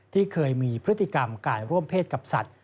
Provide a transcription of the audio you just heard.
ที่เคยมีพฤติกรรมกายร่วมเพศกับสัตว